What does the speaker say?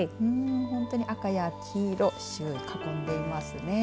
本当に赤や黄色周囲、囲んでいますね。